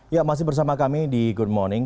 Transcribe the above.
ya masih bersama kami di good morning